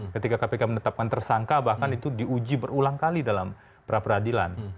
ketika kpk menetapkan tersangka bahkan itu diuji berulang kali dalam pra peradilan